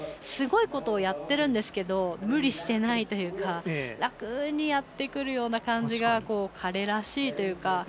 すごいことをやってるんですけど無理していないというか楽にやってくるような感じが彼らしいというか。